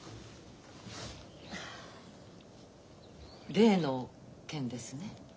例の件ですね？